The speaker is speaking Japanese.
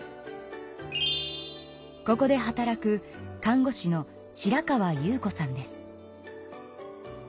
ここで働く看護師の白川優子さんです。